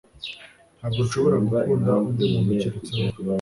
Ntabwo nshobora gukunda undi muntu keretse wowe